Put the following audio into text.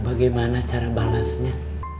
bagaimana cara balasnya